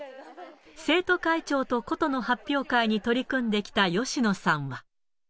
生徒会長と箏の発表会に取り組んできた吉野さんは。